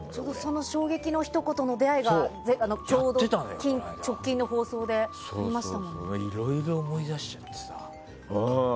その衝撃のひと言の出会いがちょうど直近の放送でいろいろ思い出しちゃってさ。